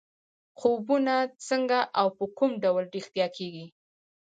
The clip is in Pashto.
خوبونه څنګه او په کوم ډول رښتیا کېږي.